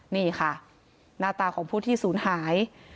นี่ค่ะหน้าตาของผู้ที่ศูนย์หาย